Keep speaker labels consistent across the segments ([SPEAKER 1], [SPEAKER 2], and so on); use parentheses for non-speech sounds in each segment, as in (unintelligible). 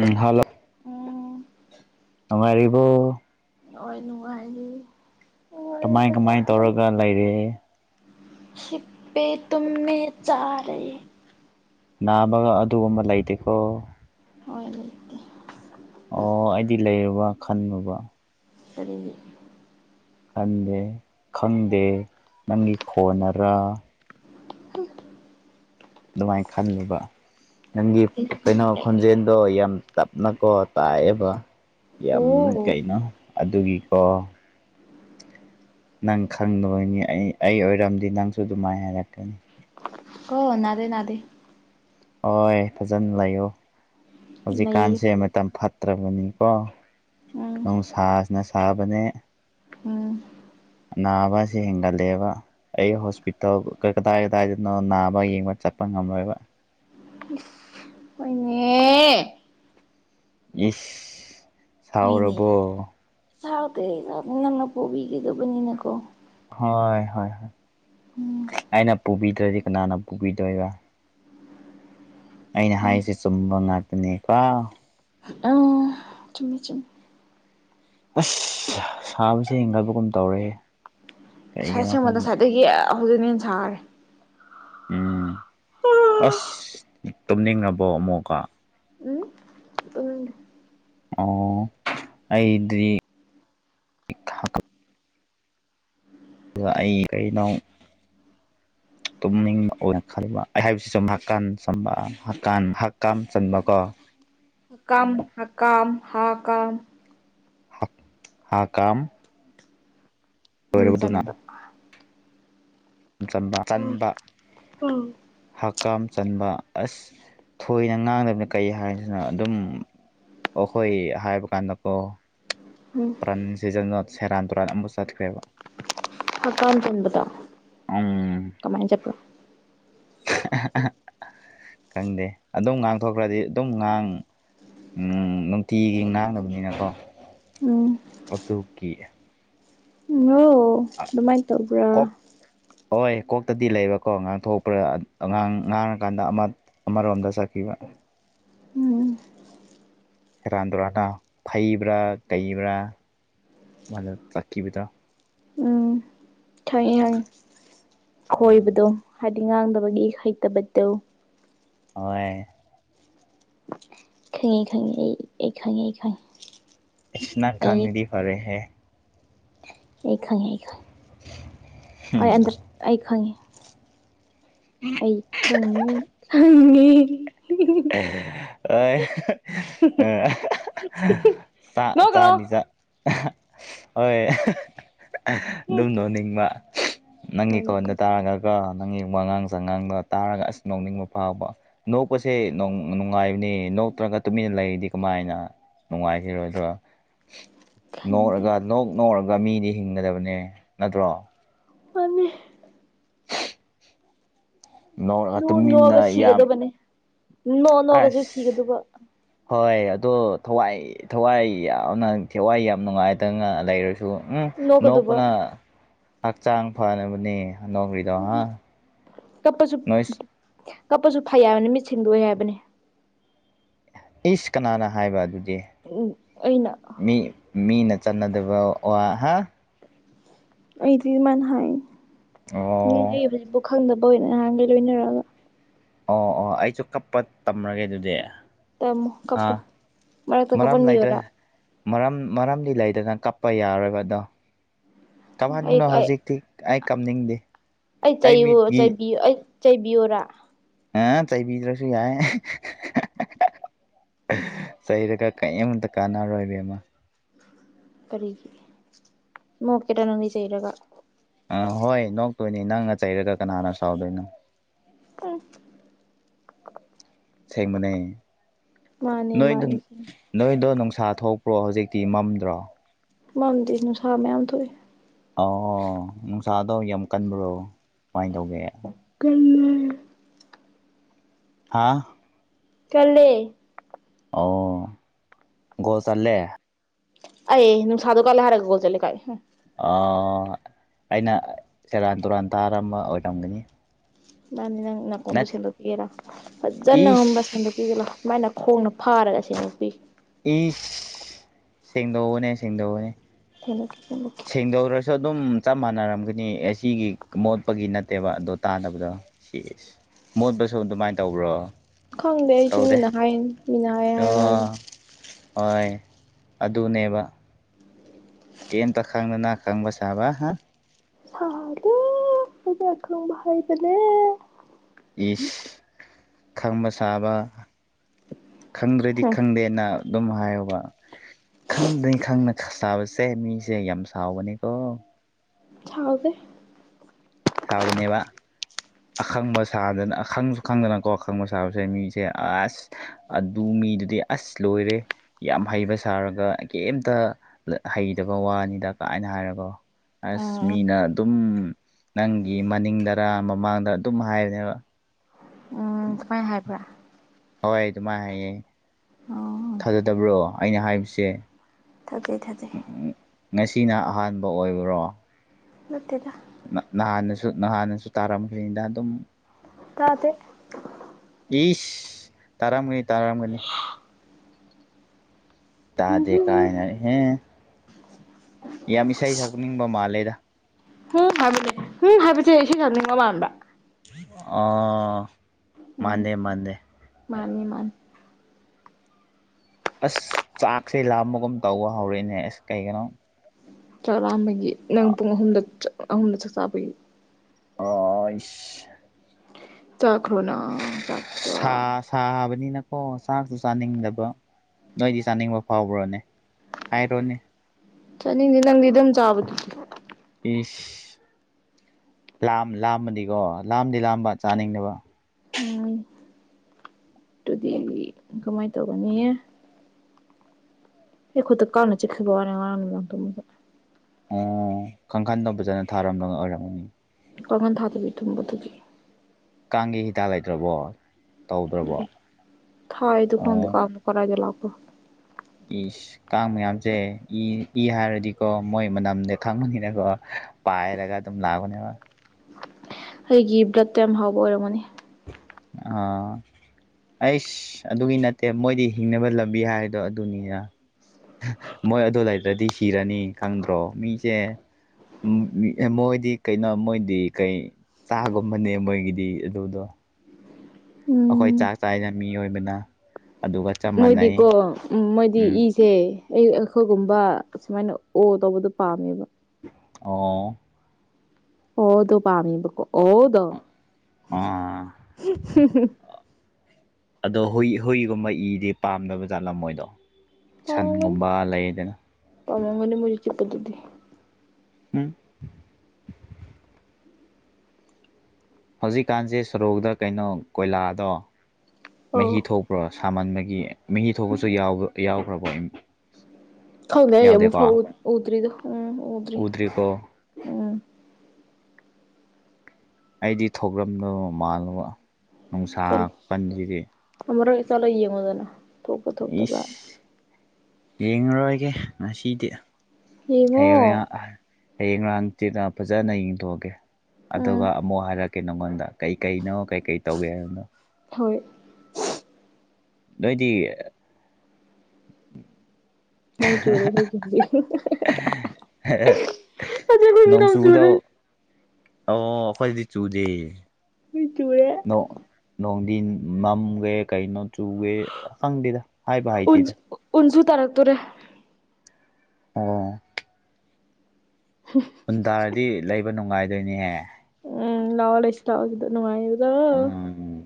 [SPEAKER 1] ꯑꯝ ꯍꯥꯜꯂꯣ
[SPEAKER 2] ꯑꯣ
[SPEAKER 1] ꯅꯨꯡꯉꯥꯢꯔꯤꯕꯣ
[SPEAKER 2] ꯍꯣꯢ ꯅꯨꯡꯉꯥꯏꯔꯤꯌꯦ
[SPEAKER 1] ꯀꯃꯥꯏ ꯀꯃꯥꯏ ꯇꯧꯔꯒ ꯂꯩꯔꯤ
[SPEAKER 2] ꯍꯤꯄꯦ ꯇꯨꯝꯃꯦ ꯆꯥꯔꯦ
[SPEAKER 1] ꯅꯥꯕꯒ ꯑꯗꯨꯒꯨꯝꯕ ꯂꯩꯇꯦꯀꯣ
[SPEAKER 2] ꯍꯣꯏ ꯂꯩꯇꯦ
[SPEAKER 1] ꯑꯣ ꯑꯩꯗꯤ ꯂꯩꯔꯕ ꯈꯟꯂꯨꯕ
[SPEAKER 2] ꯀꯔꯤ
[SPEAKER 1] ꯈꯟꯗꯦ ꯈꯪꯗꯦ ꯅꯪꯒꯤ ꯈꯣꯟꯅꯔꯥ
[SPEAKER 2] (unintelligible)
[SPEAKER 1] ꯑꯗꯨꯃꯥꯏꯅ ꯈꯜꯂꯨꯕ ꯅꯪꯒꯤ
[SPEAKER 2] (unintelligible)
[SPEAKER 1] ꯀꯩꯅꯣ ꯈꯣꯟꯖꯦꯜꯗꯣ ꯌꯥꯝ ꯇꯞꯅꯀꯣ ꯇꯥꯛꯑꯦꯕ ꯌꯥꯝ
[SPEAKER 2] ꯑꯣ
[SPEAKER 1] ꯀꯩꯅꯣ ꯑꯗꯨꯒꯤꯀꯣ ꯅꯪ ꯈꯪꯗꯣꯏꯅꯤ ꯑꯩ ꯑꯩ ꯑꯣꯏꯔꯝꯗꯤ ꯅꯪꯁꯨ ꯑꯗꯨꯃꯥꯏꯅ ꯍꯥꯏꯔꯛꯀꯅꯤ
[SPEAKER 2] ꯀꯣ ꯅꯥꯗꯦ ꯅꯥꯗꯦ
[SPEAKER 1] ꯍꯣꯏ ꯐꯖꯅ ꯂꯩꯌꯣ
[SPEAKER 2] ꯂꯩ
[SPEAKER 1] ꯍꯧꯖꯤꯛꯀꯥꯟꯁꯦ ꯃꯇꯝ ꯐꯠꯇ꯭ꯔꯕꯅꯤꯀꯣ
[SPEAKER 2] ꯎꯝ
[SPEAKER 1] ꯅꯣꯡꯁꯥꯁꯤꯅ ꯁꯥꯕꯅꯦ
[SPEAKER 2] ꯎꯝ
[SPEAKER 1] ꯅꯥꯕꯁꯦ ꯍꯦꯟꯒꯠꯂꯦꯕ ꯑꯩ ꯍꯣꯁꯄꯤꯇꯥꯜ ꯀꯗꯥꯏ ꯀꯗꯥꯏꯗꯅꯣ ꯅꯥꯕ ꯌꯦꯡꯕ ꯆꯠꯄ ꯉꯝꯂꯣꯏꯕ
[SPEAKER 2] ꯍꯣꯏꯅꯦ
[SPEAKER 1] ꯏꯁ ꯁꯥꯎꯔꯕꯣ
[SPEAKER 2] ꯁꯥꯎꯗꯦ ꯅꯪꯅ ꯄꯣꯕꯤꯒꯤꯗꯧꯕꯅꯤꯅꯀꯣ
[SPEAKER 1] ꯍꯣꯏ ꯍꯣꯏ
[SPEAKER 2] ꯎꯝ
[SPEAKER 1] ꯍꯣꯏ ꯑꯩꯅ ꯄꯨꯕꯤꯗ꯭ꯔꯗꯤ ꯀꯅꯥꯅ ꯄꯨꯕꯤꯗꯣꯏꯕ ꯑꯩꯅ
[SPEAKER 2] ꯎꯝ
[SPEAKER 1] ꯍꯥꯏꯔꯤꯁꯦ ꯆꯨꯝꯕ ꯉꯥꯛꯇꯅꯦꯀꯣ
[SPEAKER 2] ꯎꯝ ꯆꯨꯝꯃꯤ ꯆꯨꯝꯃꯤ
[SPEAKER 1] ꯑꯁ ꯁꯥꯕꯁꯦ ꯍꯦꯟꯒꯠꯕꯒꯨꯝ ꯇꯧꯔꯦ
[SPEAKER 2] ꯉꯁꯥꯏ
[SPEAKER 1] ꯀꯔꯤꯒꯤꯅꯣ
[SPEAKER 2] ꯑꯁꯦꯡꯕ
[SPEAKER 1] ꯈꯪꯗꯦ
[SPEAKER 2] ꯉꯁꯥꯏꯗꯒꯤ ꯍꯧꯖꯤꯛꯅ ꯍꯦꯟꯅ ꯁꯥꯔꯦ
[SPEAKER 1] ꯎꯝ ꯑꯁ ꯇꯨꯝꯅꯤꯡꯔꯕꯣ ꯑꯃꯨꯛꯀ
[SPEAKER 2] ꯎꯝ ꯇꯨꯝꯅꯤꯡꯗꯦ
[SPEAKER 1] ꯑꯣ ꯑꯩꯗ꯭ꯔꯤ (unintelligible) ꯑꯗꯨꯒ ꯑꯩ ꯑꯩꯅꯣ ꯇꯨꯝꯅꯤꯡꯕ ꯑꯣꯏꯅ ꯈꯟꯕ ꯑꯩ ꯍꯥꯏꯕꯁꯤꯁꯨꯨꯝ ꯍꯥꯛꯀꯥꯟ ꯆꯟꯕ ꯍꯥꯛꯀꯥꯟ ꯍꯥꯛꯀꯥꯝ ꯆꯟꯕ ꯀꯣ
[SPEAKER 2] ꯍ ꯀꯥꯝ ꯍ ꯀꯥꯝ ꯍꯥ ꯀꯥꯝ
[SPEAKER 1] ꯍ ꯍꯥꯀꯥꯝ
[SPEAKER 2] ꯎꯝ ꯆꯟꯕ
[SPEAKER 1] ꯆꯝꯕ ꯆꯟꯕ ꯍꯛꯀꯝ ꯆꯟꯕ ꯑꯁ ꯊꯣꯏꯅ ꯉꯥꯡꯗꯕꯅ ꯀꯩ ꯍꯥꯏꯁꯤꯅ ꯑꯗꯨꯝ ꯑꯣꯈꯣꯏ ꯍꯥꯏꯕ ꯀꯥꯟꯗꯀꯣ
[SPEAKER 2] ꯎꯝ
[SPEAKER 1] ꯄ꯭ꯔꯟ ꯁꯤꯖꯟꯅꯣ ꯁꯦꯔꯥꯟ ꯇꯨꯔꯥꯟ ꯑꯃꯨꯛ ꯆꯠꯈ꯭ꯔꯦꯕ
[SPEAKER 2] ꯍꯀꯥꯝ ꯆꯟꯕꯗꯣ
[SPEAKER 1] ꯎꯝ
[SPEAKER 2] ꯀꯃꯥꯏꯅ ꯆꯠꯄ꯭ꯔꯥ
[SPEAKER 1] (unintelligible) ꯈꯪꯗꯦ ꯑꯗꯨꯝ ꯉꯥꯡꯊꯣꯛꯈ꯭ꯔꯗꯤ ꯑꯗꯨꯝ ꯉꯥꯡ ꯎ ꯅꯨꯡꯇꯤꯒꯤ ꯉꯥꯡꯅꯕꯅꯤꯅꯀꯣ
[SPEAKER 2] ꯎꯝ
[SPEAKER 1] ꯑꯗꯨ ꯀꯤ
[SPEAKER 2] ꯎ ꯑꯣ ꯑꯗꯨꯃꯥꯏꯅ ꯇꯧꯕ꯭ꯔꯥ
[SPEAKER 1] ꯀꯣꯛ ꯍꯣꯏ ꯀꯣꯛꯇꯗꯤ ꯂꯩꯕꯀꯣ ꯉꯥꯡꯊꯣꯛꯄ꯭ꯔꯥ ꯑꯉꯥꯡ ꯉꯥꯡꯔꯀꯥꯟꯗ ꯑꯃ ꯑꯃꯔꯣꯝꯗ ꯆꯠꯈꯤꯕ
[SPEAKER 2] ꯎꯝ
[SPEAKER 1] ꯍꯦꯔꯥꯟ ꯇꯨꯔꯥꯟꯅ ꯐꯩꯕ꯭ꯔꯥ ꯇꯩꯕ꯭ꯔꯥ ꯃꯥꯅ ꯆꯠꯈꯤꯕꯗꯣ
[SPEAKER 2] ꯈꯪꯉꯦ ꯈꯪꯉꯦ
[SPEAKER 1] ꯎꯝ
[SPEAKER 2] ꯈꯣꯏꯕꯗꯣ ꯍꯥꯏꯗꯤ ꯉꯥꯡꯗꯕꯒꯤ ꯍꯩꯇꯕꯗꯣ
[SPEAKER 1] ꯍꯣꯏ
[SPEAKER 2] ꯈꯪꯉꯤ ꯈꯪꯉꯦ ꯑꯩ ꯑꯩ ꯈꯪꯉꯦ ꯑꯩ ꯈꯪꯉꯤ
[SPEAKER 1] ꯏꯁ ꯅꯪ
[SPEAKER 2] ꯑꯩ
[SPEAKER 1] ꯈꯪꯒꯗꯤ ꯐꯔꯦ ꯍꯦ
[SPEAKER 2] ꯑꯩ ꯈꯪꯉꯦ ꯑꯩ ꯈꯪꯉꯦ ꯑꯩ ꯑꯗ ꯑꯩ ꯈꯪꯉꯦ ꯑꯩ ꯈꯪꯉꯤ
[SPEAKER 1] ꯍꯣꯏ
[SPEAKER 2] ꯅꯣꯛꯀꯅꯣ
[SPEAKER 1] (unintelligible) ꯍꯣꯏ ꯑꯗꯨꯝ
[SPEAKER 2] ꯍꯣꯏ
[SPEAKER 1] ꯅꯣꯟ ꯅꯤꯡꯕ ꯅꯪꯒꯤ ꯀꯣꯟꯗ
[SPEAKER 2] ꯅꯣꯛꯀꯅꯨ
[SPEAKER 1] ꯇꯥꯔꯒ ꯅꯪꯒꯤ ꯋꯥꯉꯥꯡ ꯆꯉꯥꯡꯗ ꯇꯥꯔꯒ ꯑꯁ ꯅꯧꯅꯤꯡꯕ ꯐꯥꯎꯕ ꯅꯣꯛꯁꯤ (unintelligible) ꯅꯨꯡꯉꯥꯏꯕꯅꯤ ꯅꯣꯛꯇ꯭ꯔꯒ ꯇꯨꯟꯅ ꯂꯩꯔꯤꯗꯤ ꯀꯃꯥꯏꯅ ꯅꯨꯡꯉꯥꯏꯈꯤꯔꯣꯏꯗ꯭ꯔ
[SPEAKER 2] ꯈꯪꯗꯦ
[SPEAKER 1] ꯅꯣꯛꯑꯒ ꯅꯣꯛ ꯅꯣꯛꯑꯒ ꯃꯤꯗꯤ ꯍꯤꯡꯒꯗꯕꯅꯦ ꯅꯠꯇ꯭ꯔꯣ
[SPEAKER 2] ꯃꯥꯅꯦ
[SPEAKER 1] ꯅꫭꯔ
[SPEAKER 2] ꯅꯣꯛ
[SPEAKER 1] ꯃꯇꯨꯏꯟꯅ
[SPEAKER 2] ꯅꯣꯛꯑꯒ
[SPEAKER 1] ꯌꯥꯝ
[SPEAKER 2] ꯁꯤꯒꯗꯕꯅꯦ ꯅꯣꯛ ꯅꯣꯛꯑꯒꯁꯨ
[SPEAKER 1] ꯑꯁ
[SPEAKER 2] ꯁꯤꯒꯗꯕ
[SPEAKER 1] ꯍꯣꯏ ꯑꯗꯣ ꯊꯋꯥꯏ ꯊꯋꯥꯏ ꯌꯥꯝꯅ ꯊꯋꯥꯏ ꯌꯥꯝ ꯅꯨꯡꯉꯥꯏꯗꯅ ꯂꯩꯔꯁꯨ ꯎꯝ
[SPEAKER 2] ꯅꯣꯛꯀꯗꯕ
[SPEAKER 1] ꯅꯣꯛꯄꯅ ꯍꯛꯆꯥꯡ ꯐꯅꯕꯅꯦ ꯑꯅꯣꯛꯔꯤꯗꯣ ꯍꯥ
[SPEAKER 2] ꯎꯝ ꯀꯞꯄꯁꯨ
[SPEAKER 1] ꯅꯣꯏ
[SPEAKER 2] ꯀꯞꯄꯁꯨ ꯐꯩ ꯍꯥꯏꯕꯅꯤ ꯃꯤꯠꯁꯤꯡꯗ ꯑꯣꯏ ꯍꯥꯏꯕꯅꯤ
[SPEAKER 1] ꯏꯁ ꯀꯅꯥꯅ ꯍꯥꯏꯕ ꯑꯗꯨꯗꯤ
[SPEAKER 2] ꯎꯝ ꯑꯩꯅ
[SPEAKER 1] ꯃꯤ ꯃꯤꯅ ꯆꯠꯅꯗꯕ ꯋꯥꯥ
[SPEAKER 2] ꯑꯩꯗꯤ ꯃꯅ ꯍꯥꯏ
[SPEAKER 1] ꯑꯣ
[SPEAKER 2] ꯅꯪ ꯑꯩ ꯍꯧꯕꯁꯤꯕꯨꯥꯎ ꯈꯪꯗꯕ ꯑꯣꯏꯅ ꯅꯍꯥꯟꯈꯩ ꯂꯣꯏꯅꯔꯛꯑꯒ
[SPEAKER 1] ꯑꯣ ꯑꯣ ꯑꯩꯁꯨ ꯀꯞꯄ ꯇꯝꯃꯒꯦ ꯑꯗꯨꯗꯤ
[SPEAKER 2] ꯇꯝꯃꯣ ꯀꯞꯄꯨ
[SPEAKER 1] ꯑꯥ
[SPEAKER 2] ꯃꯔꯛꯇ
[SPEAKER 1] ꯃꯔꯝ ꯂꯩꯇ꯭ꯔꯦ
[SPEAKER 2] ꯀꯞꯄꯟꯕꯤꯌꯣꯔꯥ
[SPEAKER 1] ꯃꯔꯝ ꯃꯔꯝꯗꯤ ꯂꯩꯗꯅ ꯀꯞꯄ ꯌꯥꯔꯣꯏꯕ ꯑꯗꯣ
[SPEAKER 2] ꯑꯩ
[SPEAKER 1] ꯀꯍꯟꯈꯅꯣ
[SPEAKER 2] ꯑꯩ
[SPEAKER 1] ꯍꯧꯖꯤꯛꯇꯤ ꯑꯩ ꯀꯝꯅꯤꯡꯗꯦ ꯑꯩ ꯃꯤꯠꯀꯤ
[SPEAKER 2] (unintelligible) ꯆꯩꯕꯤꯌꯣꯔꯥ
[SPEAKER 1] ꯑ ꯆꯩꯕꯤꯗ꯭ꯔꯁꯨ ꯌꯥꯏ ꯆꯩꯔꯒ ꯀꯔꯤ ꯑꯃꯝꯇ ꯀꯥꯟꯅꯔꯣꯏ ꯏꯕꯦꯝꯃ
[SPEAKER 2] ꯀꯔꯤꯒꯤ ꯅꫭꯛꯀꯔ ꯅꯪꯗꯤ ꯆꯩꯔꯒ
[SPEAKER 1] ꯑꯥ ꯍꯣꯏ ꯅꯣꯛꯇꯣꯏꯅꯤ ꯅꯪꯅ ꯆꯩꯔꯒ ꯀꯅꯥꯅ ꯁꯥꯎꯗꯣꯏꯅꯣ
[SPEAKER 2] ꯑꯁ
[SPEAKER 1] ꯑꯁꯡꯕꯅꯦ
[SPEAKER 2] ꯃꯥꯅꯦ
[SPEAKER 1] ꯅꯣꯏ
[SPEAKER 2] ꯃꯥꯅꯦ
[SPEAKER 1] ꯅꯣꯏꯗꯣ ꯅꯨꯡꯁꯥ ꯊꯣꯛꯄ꯭ꯔꯣ ꯍꯧꯖꯤꯛꯇꯤ ꯃꯝꯗ꯭ꯔꯣ
[SPEAKER 2] ꯃꯝꯗ ꯅꯨꯡꯁꯥ ꯃꯌꯥꯝ ꯊꯣꯛꯑꯏ
[SPEAKER 1] ꯑꯣ ꯅꯨꯡꯁꯥꯗꯣ ꯌꯥꯝ ꯀꯟꯕ꯭ꯔꯣ ꯀꯃꯥꯏꯅ ꯇꯧꯒꯦ
[SPEAKER 2] ꯀꯜꯂꯤ
[SPEAKER 1] ꯍꯥ
[SPEAKER 2] ꯀꯜꯂꯦ
[SPEAKER 1] ꯑꯣ ꯀꫭꯜ ꯆꯔꯂꯦ
[SPEAKER 2] ꯑꯩ ꯅꯨꯡꯁꯥꯗꯗꯨ ꯀꯜꯂ ꯍꯥꯏꯔꯒꯣꯜ ꯆꯠꯂꯀꯥꯏ
[SPEAKER 1] ꯑꯩꯅ ꯁꯦꯔꯥꯟ ꯇꯨꯔꯥꯟ ꯇꯥꯔꯝꯕ ꯑꯣꯏꯔꯝꯒꯅꯤ
[SPEAKER 2] ꯅꯤꯅ ꯅꯅꯥ ꯀꯣꯟꯗ
[SPEAKER 1] ꯅꯠ
[SPEAKER 2] ꯁꯦ ꯀꯔ
[SPEAKER 1] ꯏꯁ
[SPEAKER 2] ꯍꯖꯥꯅꯉ꯭ꯔ ꯁ (unintelligible) ꯁꯨꯃꯥꯏꯅ ꯈꯣꯡꯅ ꯐꯥꯔꯒ ꯁꯤꯃꯨ ꯄꯤ
[SPEAKER 1] ꯏꯁ ꯁꯦꯡꯗꯣꯛꯎꯅꯦ ꯁꯦꯡꯗꯣꯛꯎꯅꯦ
[SPEAKER 2] ꯊꯦꯡ ꯊꯦꯡ
[SPEAKER 1] ꯁꯤꯡꯗꯧꯔ ꯁꯨ ꯑꯗꯨꯝ ꯆꯞ ꯃꯥꯟꯅꯔꯝꯒꯅꯤ ꯑꯦ ꯁꯤꯒꯤ ꯃꯣꯠꯄꯒꯤ ꯅꯠꯇꯦꯕ ꯑꯗꯣ ꯇꯥꯟꯅꯕꯗꯣ ꯁꯤ ꯑꯦꯁ ꯃꯣꯠꯄꯁꯨ ꯑꯗꯨꯃꯥꯏꯅ ꯇꯧꯕ꯭ꯔꯣ
[SPEAKER 2] ꯈꯪꯗꯦ ꯑꯩꯁꯨ
[SPEAKER 1] ꯇꯧꯗꯦ
[SPEAKER 2] ꯃꯤꯅ ꯍꯥꯏ ꯃꯤꯅ ꯍꯥꯏ
[SPEAKER 1] ꯁꯣ
[SPEAKER 2] ꯍꯥꯏꯔ ꯑꯗꯨ
[SPEAKER 1] ꯍꯣꯏ ꯑꯗꯨꯅꯦꯕ ꯀꯦꯝꯇ ꯈꯪꯗꯅꯅꯥ ꯈꯪꯕ ꯁꯥꯥꯕ ꯍꯥ
[SPEAKER 2] ꯁꯗ ꯑꯩꯖ ꯈꯪꯕ ꯍꯥꯏꯕꯅꯦ
[SPEAKER 1] ꯏꯁ ꯈꯪꯕ ꯁꯥꯕ ꯈꯪꯗ꯭ꯔꯗꯤ
[SPEAKER 2] ꯍꯝ
[SPEAKER 1] ꯈꯪꯗꯦ ꯅ ꯑꯗꯨꯝ ꯍꯥꯏꯌꯣꯕ ꯈꯪꯗꯅꯤ ꯈꯪꯅ ꯁꯥꯕꯁꯦ ꯃꯤꯁꯦ ꯌꯥꯝ ꯁꯥꯎꯕꯅꯦꯀꯣ
[SPEAKER 2] ꯊꯒꯦ
[SPEAKER 1] ꯆꯥꯎꯕꯅꯦꯕ ꯑꯈꯪꯕ ꯁꯥꯗꯅ ꯑꯈꯪꯁꯨ ꯈꯪꯗꯅꯀꯣ ꯑꯈꯪꯕ ꯁꯥꯕꯁꯦ ꯃꯤꯁꯦ ꯑꯁ ꯑꯗꯨ ꯃꯤꯗꯨꯗꯤ ꯑꯁ ꯂꯣꯏꯔꯦ ꯌꯥꯝ ꯍꯩꯕ ꯁꯥꯔꯒ ꯀꯩꯝꯇ ꯍꯩꯗꯕ ꯋꯥꯅꯤꯗ ꯀꯥꯏꯅ ꯍꯥꯏꯔꯒꯣ ꯑꯁ
[SPEAKER 2] ꯎꯝ
[SPEAKER 1] ꯃꯤꯅ ꯑꯗꯨꯝ ꯅꯪꯒꯤ ꯃꯅꯤꯡꯗꯔꯥ ꯃꯃꯥꯡꯗ ꯑꯗꯨꯝ ꯍꯥꯏꯕꯅꯦꯕ
[SPEAKER 2] ꯎꯝ ꯁꯨꯃꯥꯏꯅ ꯍꯥꯏꯕ꯭ꯔꯥ
[SPEAKER 1] ꯍꯣꯏ ꯑꯗꯨꯃꯥꯏꯅ ꯍꯥꯏꯌꯦ
[SPEAKER 2] ꯑꯣ
[SPEAKER 1] ꯊꯥꯖꯗꯕ꯭ꯔꯣ ꯑꯩꯅ ꯍꯥꯏꯕꯁꯦ
[SPEAKER 2] ꯊꯥꯖꯩ ꯊꯥꯖꯩ
[SPEAKER 1] ꯉꯁꯤꯅ ꯑꯍꯥꯟꯕ ꯑꯣꯏꯕ꯭ꯔꯣ
[SPEAKER 2] ꯅꯠꯇꯗ
[SPEAKER 1] ꯅꯍꯥꯟꯅꯁꯨ ꯅꯍꯥꯟꯅꯁꯨ ꯇꯥꯔꯝꯈꯩꯗ ꯑꯗꯨꯝ
[SPEAKER 2] ꯇꯗꯦ
[SPEAKER 1] ꯏꯁ ꯇꯥꯔꯥꯝꯒꯅꯤ ꯇꯥꯔꯝꯒꯅꯤ ꯇꯥꯗꯦ
[SPEAKER 2] ꯎꯝꯍꯨꯝ ꯍꯨꯝ
[SPEAKER 1] ꯀꯥꯏꯅꯍꯦ ꯌꯥꯝ ꯏꯁꯩ ꯁꯛꯅꯤꯡꯕ ꯃꯥꯜꯂꯦꯗ
[SPEAKER 2] ꯄ ꯍꯥꯏꯕꯅꯦ ꯎ ꯍꯥꯏꯕꯁꯦ ꯏ ꯆꯝꯅꯤꯡꯉ ꯃꯥꯟꯕ ꯎꯝ
[SPEAKER 1] ꯃꯥꯟꯗꯦ ꯃꯥꯟꯗꯦ
[SPEAKER 2] ꯃꯥꯅꯤ ꯃꯥꯅꯤ
[SPEAKER 1] ꯑꯁ ꯆꯥꯛꯁꯦ ꯂꯥꯝꯕꯒꯨꯝ ꯇꯧꯕ ꯍꯧꯔꯛꯏꯅꯦ ꯑꯁ ꯀꯩꯒꯤꯅꯣ
[SPEAKER 2] ꯆꯥꯎꯔꯥꯛ ꯂꯥꯛꯑꯝꯕꯒꯤ ꯅꯪ ꯄꯨꯡ ꯑꯍꯨꯝꯗ ꯑꯍꯨꯝꯗ ꯆꯥꯛ ꯆꯥꯕꯒꯤ
[SPEAKER 1] ꯑ ꯏ
[SPEAKER 2] ꯆꯥꯛꯈ꯭ꯔꯨꯅ ꯆꯥꯛꯊ
[SPEAKER 1] ꯁꯥ ꯁꯥꯕꯅꯤꯅꯀꯣ ꯆꯥꯛꯁꯨ ꯆꯥꯅꯤꯡꯗꯕ ꯅꯣꯏꯗꯤ ꯆꯥꯅꯤꯡꯕ ꯐꯥꯎꯕ꯭ꯔꯣꯅꯦ ꯍꯥꯏꯔꯣꯅꯦ
[SPEAKER 2] ꯆꯠꯅꯤꯡꯗꯦ ꯅꯪꯗꯤ ꯑꯗꯨꯝ ꯆꯥꯕꯗꯣ
[SPEAKER 1] ꯄꯤꯁ ꯂꯥꯝ ꯂꯥꯝꯃꯗꯤꯀꯣ ꯂꯥꯝꯗꯤ ꯂꯥꯝꯕ ꯆꯥꯅꯤꯡꯕ
[SPEAKER 2] ꯎꯗꯤꯒꯤ ꯀꯃꯥꯏ ꯇꯧꯕꯅꯤꯌꯦ ꯑꯩꯈꯣꯏꯠꯇ ꯀꯥꯟ ꯆꯄꯔꯦꯉ
[SPEAKER 1] ꯑꯣ ꯈꯪꯈꯟꯗ ꯐꯖꯅ ꯊꯥꯔꯝꯂꯒ ꯑꯣꯏꯔꯝꯒꯅꯤ
[SPEAKER 2] ꯀꯃꯅ ꯊꯥꯕꯤ ꯊꯨꯡꯕꯣ ꯊꯒꯤ
[SPEAKER 1] ꯀꯥꯡꯒꯤ ꯍꯤꯗ ꯂꯩꯇ꯭ꯔꯕꯣ ꯇꯧꯗ꯭ꯔꯕꯣ
[SPEAKER 2] ꯊꯗꯨ ꯍꯣꯟꯗ ꯀꯃ ꯀꯔꯒꯦ ꯂꯥꯛꯄ
[SPEAKER 1] ꯏ ꯀꯥꯡ ꯃꯌꯥꯝꯁꯦ ꯏ ꯍꯥꯏꯔꯗꯤꯀꯣ ꯃꯣꯏ ꯃꯅꯝꯅꯦ ꯈꯪꯕꯅꯤꯅꯀꯣ ꯄꯥꯏꯔꯒ ꯑꯗꯨꯨ ꯂꯥꯛꯣꯅꯦꯕ
[SPEAKER 2] ꯑꯩꯒꯤ ꯕ꯭ꯂꯗ ꯕꯦꯝ ꯍꯥꯎꯕ ꯑꯣꯏꯔꯝꯒꯅꯤ
[SPEAKER 1] ꯑꯥ ꯑꯩꯁ ꯑꯗꯨꯒꯤ ꯅꯠꯇꯦ ꯃꯣꯏꯗꯤ ꯍꯤꯡꯅꯕ ꯂꯝꯕꯤ ꯍꯥꯏꯗꯣ ꯑꯗꯨꯅꯤꯅ ꯃꯣꯏ ꯑꯗꯨ ꯂꯩꯔ꯭ꯔꯗꯤ ꯁꯤꯔꯅꯤ ꯈꯪꯗ꯭ꯔꯣ ꯃꯤꯁꯦ ꯃꯣꯏꯗꯤ ꯀꯩꯅꯣ ꯃꯣꯏꯗꯤ ꯀꯩ ꯆꯥꯒꯨꯝꯕꯅꯦ ꯃꯣꯏꯒꯤꯗꯤ ꯑꯗꯨꯗꯣ ꯑꯩꯈꯣꯏ
[SPEAKER 2] ꯎꯝ
[SPEAKER 1] ꯆꯥꯛ ꯆꯥꯏꯅ ꯃꯤꯑꯣꯏꯕꯅ ꯑꯗꯨꯒ ꯆꯞ
[SPEAKER 2] ꯃꯣꯗꯤ
[SPEAKER 1] ꯃꯥꯟꯅꯩ
[SPEAKER 2] ꯀꯣ ꯎ ꯃꯣꯗꯤ
[SPEAKER 1] ꯎꯝ
[SPEAKER 2] ꯏ ꯁꯦ ꯑꯩ ꯑꯩꯈꯣꯏꯒꯨꯝꯕ ꯁꯨꯃꯥꯏꯅ ꯑꯣ ꯇꯧꯕꯗꯣ ꯄꯥꯝꯃꯦꯕ
[SPEAKER 1] ꯑꯣ
[SPEAKER 2] ꯑꯣꯗꯣ ꯄꯥꯃꯤ ꯑꯣꯗꯣ
[SPEAKER 1] ꯑꯥ ꯑꯗꯣ ꯍꯨꯏ ꯍꯨꯏꯒꯨꯝꯕ ꯏꯗꯤ ꯄꯥꯝꯗꯕꯖꯥꯠꯂꯝꯣꯏꯗꯣ ꯁꯟꯒꯨꯝꯕ ꯂꯩꯗꯅ
[SPEAKER 2] ꯑꯃ ꯉꯅꯤ ꯃꯔꯤ ꯆ ꯄꯠꯇꯗꯤ
[SPEAKER 1] ꯎꯝ ꯍꯧꯖꯤꯛꯀꯥꯟꯁꯦ ꯁꯣꯔꯣꯛꯗ ꯀꯩꯅꯣ ꯀꯣꯏꯂꯥꯗꯣ
[SPEAKER 2] ꯑꯣ
[SPEAKER 1] ꯃꯍꯤ ꯊꯣꯛ ꯭ꯔꯣ ꯁꯥꯃꯟꯕꯒꯤ ꯃꯤꯤ ꯊꯣꯛꯄꯁꯨꯕ ꯌꯥꯎꯈ꯭ꯔꯕꯣ
[SPEAKER 2] ꯍꯅꯦ ꯎꯗ꯭ꯔꯔꯤꯗꯨ ꯎ
[SPEAKER 1] ꯎꯗꯔꯤꯀꯣ
[SPEAKER 2] ꯎꯝ
[SPEAKER 1] ꯑꯩꯗꯤ ꯊꯧꯒ꯭ꯔꯝꯗꯣ ꯃꯥꯜꯂꯣ ꯅꯨꯡꯁꯥ ꯀꯟꯁꯤꯗꯤ
[SPEAKER 2] ꯑꯃꯔ ꯆꯂ ꯏꯦ ꯃꯗꯅ
[SPEAKER 1] ꯏꯁ ꯌꯦꯡꯉꯔꯣꯏꯒꯦ ꯉꯁꯤꯗꯤ
[SPEAKER 2] ꯌꯦꯡꯉꯣ
[SPEAKER 1] ꯍꯌꯦꯡ ꯍꯌꯦꯡ ꯉꯔꯥꯡꯁꯤꯦꯗ ꯐꯖꯅ ꯌꯦꯡꯊꯣꯛꯑꯒꯦ
[SPEAKER 2] ꯎꯝ
[SPEAKER 1] ꯑꯗꯨꯒ ꯑꯃꯨꯛ ꯍꯥꯏꯔꯛꯀꯦ ꯅꯪꯉꯣꯟꯗ ꯀꯩꯀꯩꯅꯣ ꯀꯩꯀꯩ ꯇꯧꯒꯦ ꯍꯥꯏꯅꯣ
[SPEAKER 2] ꯍꯣꯏ
[SPEAKER 1] ꯅꯣꯏꯗꯤ
[SPEAKER 2] ꯅꯧ ꯆꯣꯔ ꯑꯣꯏ ꯀꯗꯤ ꯑꯆꯦ ꯀꯣꯏ ꯅꯧ ꯆꯔ
[SPEAKER 1] ꯑꯣꯧ ꯑꯩꯈꯣꯏꯗꯤ ꯆꯨꯗꯦ
[SPEAKER 2] ꯑꯩꯣꯏ ꯇꯨꯔꯦ
[SPEAKER 1] ꯅꯣꯡꯗꯤ ꯃꯝꯒꯦ ꯀꯩꯅꯣ ꯆꯨꯒꯦ ꯈꯪꯗꯦꯗ ꯍꯥꯏꯕ ꯍꯥꯏꯗꯦꯗ
[SPEAKER 2] ꯎꯟꯁꯨꯨ ꯇꯥꯔꯛꯇꯣꯔꯦ
[SPEAKER 1] ꯑꯣ
[SPEAKER 2] ꯍ
[SPEAKER 1] ꯎꯟ ꯇꯥꯔꯗꯤ ꯂꯩꯕ ꯅꯨꯡꯉꯥꯏꯗꯣꯏꯅꯦꯍꯦ
[SPEAKER 2] ꯎꯝ ꯂꯥꯎꯂ ꯏꯁ ꯍꯥꯏꯒꯗ ꯅꯅꯨꯡꯉꯥꯏꯒ
[SPEAKER 1] ꯎꯝ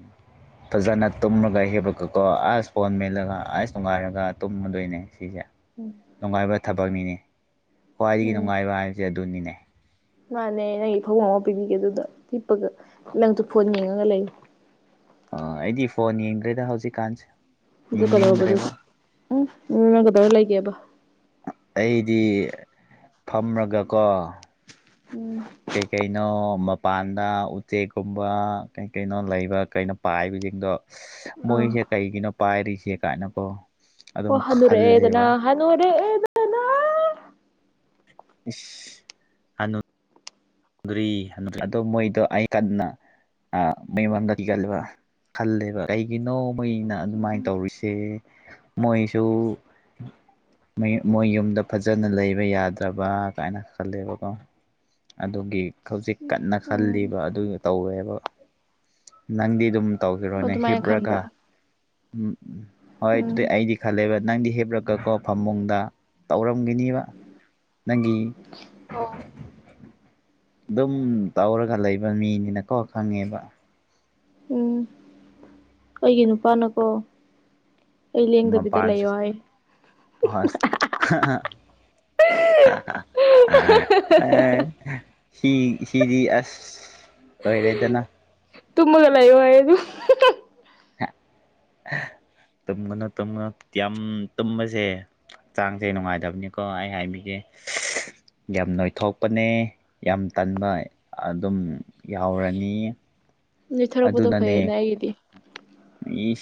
[SPEAKER 1] ꯐꯖꯅ ꯇꯨꯝꯃꯒ ꯍꯦꯄꯀꯀꯣ ꯑꯁ ꯐꯣꯟ ꯃꯦꯜꯂꯒ ꯑꯁ ꯣꯡꯉꯥꯏꯔꯒ ꯇꯨꯝꯃꯗꯣꯏꯅꯦ ꯁꯤꯁꯦ
[SPEAKER 2] ꯎꯝ
[SPEAKER 1] ꯅꯨꯡꯉꯥꯏꯕ ꯊꯕꯛꯅꯤꯅꯦ ꯈ꯭ꯋꯥꯏꯗꯒꯤ ꯅꯨꯡꯉꯥꯏꯕ ꯍꯥꯏꯕꯁꯦ ꯑꯗꯨꯅꯤꯅꯦ
[SPEAKER 2] ꯃꯥꯥꯟꯅꯦ ꯅꯪꯒꯤ ꯐꯕꯨꯡ ꯑꯃ ꯄꯤꯕꯤꯒꯦꯗꯨꯗ ꯄꯤꯛꯄꯒ ꯂꯪꯇ ꯐꯣꯟ ꯌꯦꯡꯉꯒ ꯂꯩꯌꯦ
[SPEAKER 1] ꯑ ꯑꯩꯗꯤ ꯐꯣꯟ ꯌꯦꯡꯗ꯭ꯔꯦꯗ ꯍꯧꯖꯤꯛꯀꯥꯟꯁꯦ
[SPEAKER 2] ꯑꯗꯨ ꯀꯔꯧꯕꯗꯨ
[SPEAKER 1] ꯌꯦꯡꯅꯤꯡꯗ꯭ꯔꯦꯕ
[SPEAKER 2] ꯎꯝ ꯎ ꯅꯪ ꯀꯗꯧꯔ ꯂꯩꯒꯦꯕ
[SPEAKER 1] ꯑꯩꯗꯤ ꯐꯝꯔꯒꯀꯣ
[SPEAKER 2] ꯎꯝ
[SPEAKER 1] ꯇ ꯀꯩꯩꯅꯣ ꯃ ꯄꯥꯟꯗ ꯎꯆꯦꯛꯀꯨꯝꯕ ꯀꯩ ꯀꯩꯅꯣ ꯂꯩꯕ ꯀꯩꯅꯣ ꯄꯥꯏꯕꯁꯤꯡꯗꯣ
[SPEAKER 2] ꯑꯥ
[SPEAKER 1] ꯃꯣꯏꯁꯦ ꯀꯩꯒꯤꯅꯣ ꯄꯥꯏꯔꯤꯁꯦ ꯀꯥꯏꯅꯀꯣ ꯑꯗꯨꯝ
[SPEAKER 2] ꯑꯣ ꯍꯅꯨꯔꯦꯗꯅ
[SPEAKER 1] ꯈꯜꯂꯦꯕ
[SPEAKER 2] ꯍꯅꯔ
[SPEAKER 1] ꯎ ꯑꯗꯣ ꯃꯣꯏꯗꯣ ꯑꯩ ꯀꯟꯅ ꯃꯣꯏ ꯃꯝꯗ ꯀꯤꯒꯜꯂꯦꯕ ꯈꯜꯂꯦꯕ ꯀꯩꯒꯤꯅꯣ ꯃꯩꯅ ꯑꯗꯨꯃꯥꯏꯅ ꯇꯧꯔꯤꯁꯦ ꯃꯣꯏꯁꯨ ꯃꯣꯏ ꯌꯨꯝꯗ ꯐꯖꯅ ꯂꯩꯕ ꯌꯥꯗ꯭ꯔꯕ ꯀꯥꯏꯅ ꯈꯜꯂꯦꯕꯀꯣ ꯑꯗꯨꯒꯤ ꯍꯧꯖꯤꯛ ꯀꯟꯅ
[SPEAKER 2] ꯎꯝ
[SPEAKER 1] ꯈꯜꯂꯤꯕ ꯑꯗꯨ ꯇꯧꯋꯦꯕ ꯅꯪꯗꯤ ꯑꯗꯨꯝ ꯇꯧꯈꯤꯔꯣꯅꯦ
[SPEAKER 2] ꯑꯗꯨꯃꯥꯏꯅ
[SPEAKER 1] ꯍꯤꯞꯄ꯭ꯔꯒ
[SPEAKER 2] ꯈꯟꯕ꯭ꯔꯥ
[SPEAKER 1] ꯎ ꯍꯣꯏ
[SPEAKER 2] ꯎꯝ
[SPEAKER 1] ꯑꯗꯨꯗꯤ ꯑꯩꯗꯤ ꯈꯜꯂꯦꯕ ꯅꯪꯗꯤ ꯍꯦꯞꯂꯛꯀꯀꯣ ꯐꯃꯨꯡꯗ ꯇꯧꯔꯝꯈꯤꯅꯤꯕ ꯅꯪꯒꯤ
[SPEAKER 2] ꯑꯣ
[SPEAKER 1] ꯑꯗꯨꯝ ꯇꯧꯔꯒ ꯂꯩꯕ ꯃꯤꯅꯤꯅꯀꯣ ꯈꯪꯉꯦꯕ
[SPEAKER 2] ꯎꯝ ꯑꯩꯒꯤ ꯅꯨꯄꯥꯅꯀꯣ ꯌꯦꯡꯗꯕꯤꯗ ꯂꯩꯌ ꯍꯥꯏ
[SPEAKER 1] ꯍꯣꯏ ꯑ ꯑ ꯁꯤ ꯁꯤꯗꯤ ꯑꯁ ꯂꯣꯏꯔꯦꯗꯅ
[SPEAKER 2] ꯇꯨꯝꯃꯒ ꯂꯩꯣ ꯑꯩ ꯑꯗꯨ
[SPEAKER 1] ꯇꯨꯝꯒꯅ ꯇꯨꯝꯅ ꯌꯥꯝ ꯇꯨꯝꯕꯁꯦ ꯍꯛꯆꯥꯡꯁꯦ ꯅꯨꯡꯉꯥꯏꯗꯕꯅꯤꯀꯣ ꯑꯩ ꯍꯥꯏꯃꯤꯁꯦ ꯌꯥꯝ ꯅꯣꯏꯊꯣꯛꯄꯅꯦ ꯌꯥꯝ ꯇꯟꯕ ꯑꯗꯨꯝ ꯌꯥꯎꯔꯅꯤ
[SPEAKER 2] ꯅꯊꯔꯛꯄꯗꯣ ꯐꯩꯌꯦꯅꯦ ꯑꯩꯒꯤꯗꯤ
[SPEAKER 1] ꯏ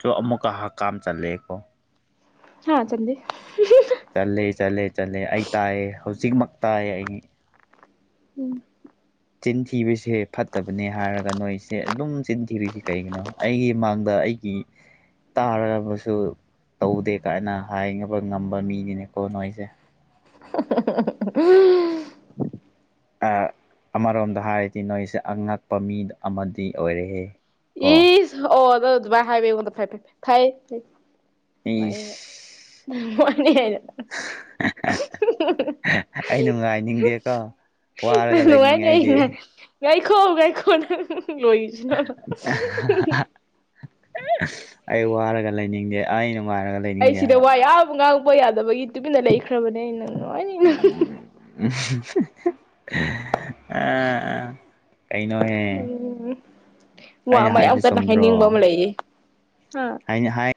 [SPEAKER 1] ꯀꯣ ꯑꯃꯨꯛꯀ ꯍꯛ ꯀꯥꯝ ꯆꯜꯂꯦꯀꯣ
[SPEAKER 2] ꯍꯥꯥ ꯆꯗꯤ
[SPEAKER 1] ꯆꯠꯂꯦ ꯆꯠꯂꯦ ꯆꯠꯂꯦ ꯑꯩ ꯇꯥꯏꯌꯦ ꯍꯧꯖꯤꯛꯃꯛ ꯇꯥꯏꯌꯦ ꯑꯩ
[SPEAKER 2] ꯎꯝ
[SPEAKER 1] ꯆꯤꯟ ꯊꯤꯕꯁꯦ ꯐꯠꯇꯕꯅꯦ ꯍꯥꯏꯔꯒ ꯅꯣꯏꯁꯦ ꯑꯗꯨꯝ ꯆꯤꯟ ꯊꯤꯔꯤꯁꯤ ꯀꯩꯒꯤꯅꯣ ꯑꯩꯒꯤ ꯃꯥꯡꯗ ꯑꯩ ꯒꯤ ꯇꯥꯔꯔꯕꯁꯨ ꯇꯧꯗꯦ ꯀꯥꯏꯅ ꯍꯥꯏꯅꯕ ꯉꯝꯕ ꯃꯤꯅꯤꯅꯦꯀꯣ ꯅꯣꯏꯁꯦ
[SPEAKER 2] ꯎꯝ
[SPEAKER 1] ꯑꯃꯔꯣꯝꯗ ꯍꯥꯏꯔꯗꯤ ꯅꯣꯏꯁꯦ ꯑꯉꯛꯄ ꯃꯤ ꯑꯃꯗꯤ ꯑꯣꯏꯔꯛꯑꯦ
[SPEAKER 2] ꯏ ꯑꯣꯗ ꯑꯗꯨꯃꯥꯏ ꯍꯥꯏꯕꯉꯣꯟꯗ ꯐ ꯐ ꯐ
[SPEAKER 1] ꯏꯁ
[SPEAKER 2] ꯅ ꯃꯅꯤ ꯍꯥꯏꯅ (unintelligible)
[SPEAKER 1] ꯑꯩ ꯅꯨꯡꯉꯥꯏꯅꯤꯡꯗꯦꯀꯣ ꯋꯥꯔꯒ ꯂꯩꯅꯤꯡꯉꯗꯤ
[SPEAKER 2] ꯌꯥꯥꯏꯈꯣ ꯌꯥꯥꯏꯈꯣ ꯅ ꯂꯣꯏꯁꯤꯅꯣꯅ
[SPEAKER 1] ꯑꯩ ꯋꯥꯔꯒ ꯂꯩꯅꯤꯡꯗꯦ ꯑꯩ ꯅꯨꯡꯉꯥꯏꯔꯒ
[SPEAKER 2] ꯑꯩ
[SPEAKER 1] ꯂꯩꯅꯤꯡꯗꯦ
[SPEAKER 2] ꯁꯤꯗ
[SPEAKER 1] ꯍꯥꯏꯕ
[SPEAKER 2] ꯋꯥ ꯌꯥꯝ ꯉꯥꯡꯉꯛꯄ ꯌꯥꯗꯕꯒꯤ ꯇꯨꯃꯤꯟꯅ ꯂꯩꯈ꯭ꯔꯕꯅꯦ ꯑꯩꯅꯪ ꯅꯣꯏꯅꯤ
[SPEAKER 1] (unintelligible) ꯑ ꯀꯩꯩꯅꯍꯦ
[SPEAKER 2] ꯎꯝ ꯋꯥ ꯑꯃ ꯌꯥꯝ ꯀꯟꯅ ꯍꯥꯏꯅꯤꯡꯕ ꯑꯃ ꯂꯩꯌꯦ
[SPEAKER 1] ꯍꯥꯏꯩꯅ ꯍꯥꯏ